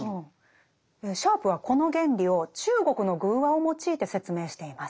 シャープはこの原理を中国の寓話を用いて説明しています。